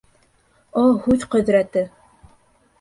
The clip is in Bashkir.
О, һүҙ ҡөҙрәте!